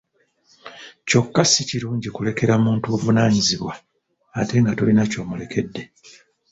Kyokka si kirungi kulekera muntu buvunaanyizibwa ate nga tolina ky'omulekedde!